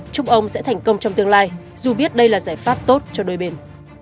chúc ông sẽ thành công trong tương lai dù biết đây là giải pháp tốt cho đôi bên